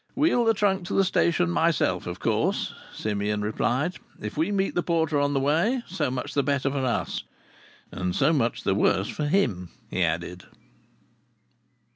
"Wheel the trunk to the station myself, of course," Simeon replied. "If we meet the porter on the way, so much the better for us ... and so much the worse for him!" he added.